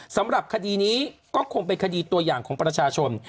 สำหรับคดีนี้ก็คงเป็นคดีตัวอย่างของประชาชน